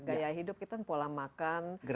gaya hidup kita pola makan